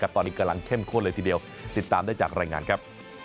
ตอนนี้กำลังเข้มข้นเลยทีเดียวติดตามได้จากรายงานครับ